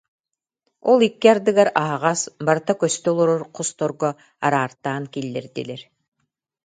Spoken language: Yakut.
Ол икки ардыгар аһаҕас, барыта көстө олорор хосторго араартаан киллэрдилэр